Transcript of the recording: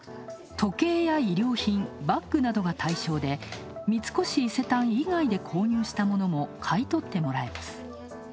時計や衣料品、バッグなどが対象で三越伊勢丹以外で購入した物も買い取ってもらえます。